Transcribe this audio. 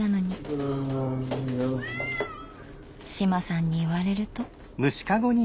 あ志麻さんに言われると。